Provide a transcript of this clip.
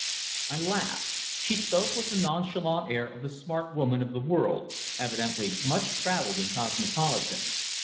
I laughed. She spoke with the nonchalant air of the smart woman of the world, evidently much travelled and cosmopolitan.